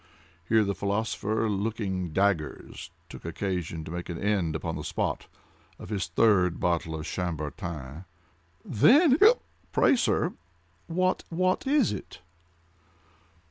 (Here the philosopher, looking daggers, took occasion to make an end, upon the spot, of his third bottle of Chambertin.) "Then—hic cup!—pray, sir—what—what is it?"